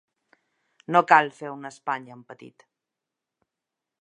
No cal fer una Espanya en petit.